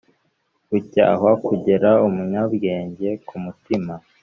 Gucyahwa kugera umunyabwenge ku mutima